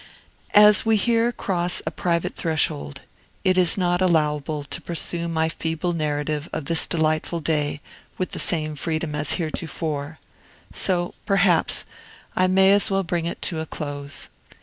As we here cross a private threshold, it is not allowable to pursue my feeble narrative of this delightful day with the same freedom as heretofore; so, perhaps, I may as well bring it to a close.